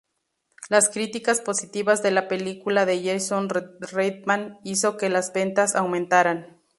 Las críticas positivas de la película de Jason Reitman hizo que las ventas aumentaran.